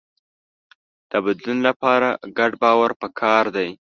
د بدلون لپاره ګډ باور پکار دی.